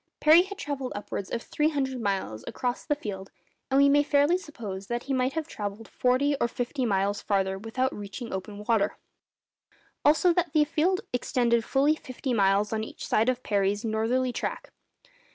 Parry had travelled upwards of three hundred miles across the field, and we may fairly suppose that he might have travelled forty or fifty miles farther without reaching open water; also that the field extended fully fifty miles on each side of Parry's northerly track.